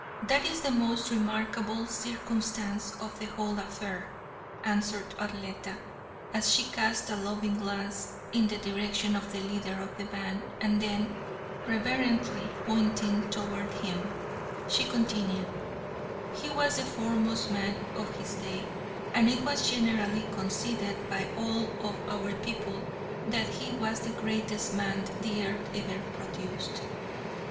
"That is the most remarkable circumstance of the whole affair," answered Arletta, as she cast a loving glance in the direction of the leader of the band, and then, reverently pointing toward him, she continued, "he was the foremost man of his day, and it was generally conceded by all of our people that he was the greatest man the earth ever produced.